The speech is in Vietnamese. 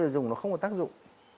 để dùng nó không có tác dụng